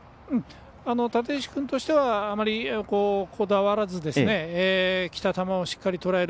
立石君としてはあまりこだわらずにきた球をしっかりとらえる